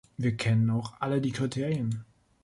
Wir kennen auch alle die Kriterien.